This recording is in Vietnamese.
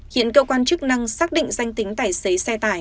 hiện cơ quan chức năng xác định danh tính tài xế xe tải